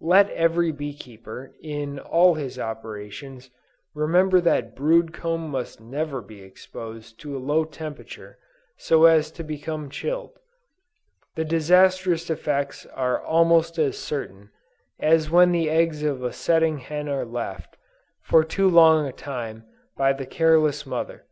Let every bee keeper, in all his operations, remember that brood comb must never be exposed to a low temperature so as to become chilled: the disastrous effects are almost as certain, as when the eggs of a setting hen are left, for too long a time, by the careless mother.